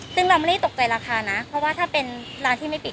ซึ่งเราไม่ได้ตกใจราคานะเพราะว่าถ้าเป็นร้านที่ไม่ปิด